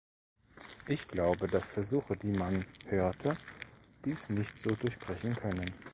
Ich glaube, dass Versuche, die man hörte, dies nicht so durchbrechen können.